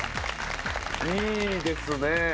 いいですね。